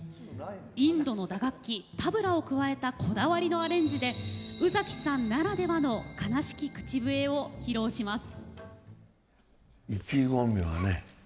インドの打楽器タブラを加えたこだわりのアレンジで宇崎さんならではの「悲しき口笛」を披露します。